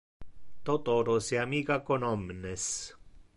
Totoro se amica con omnes.